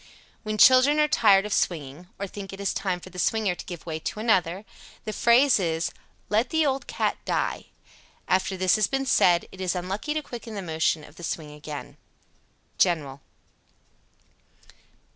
When children are tired of swinging, or think it is time for the swinger to give way to another, the phrase is "let the old cat die." After this has been said, it is unlucky to quicken the motion of the swing again. _General.